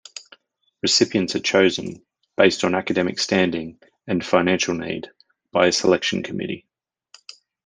Recipients are chosen, based on academic standing and financial need, by a selection committee.